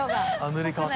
塗り変わった。